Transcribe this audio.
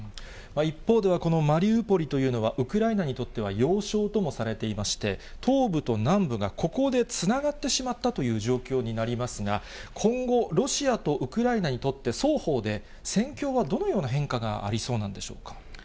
一方ではこのマリウポリというのは、ウクライナにとっては要衝ともされていまして、東部と南部がここでつながってしまったという状況になりますが、今後、ロシアとウクライナにとって、双方で戦況はどのような変化がありそうなんでしょうか。